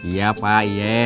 iya pak iya